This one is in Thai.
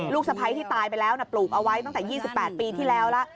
สะพ้ายที่ตายไปแล้วปลูกเอาไว้ตั้งแต่๒๘ปีที่แล้วแล้ว